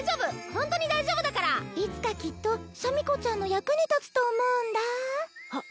ホントに大丈夫だからいつかきっとシャミ子ちゃんの役に立つと思うんだあっ